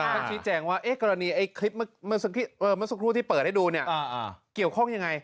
ชี้แจงว่ากรณีไอ้คลิปเมื่อสักครู่ที่เปิดให้ดูเนี่ยเกี่ยวข้องยังไง